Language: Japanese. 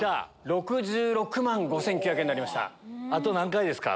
あと何回ですか？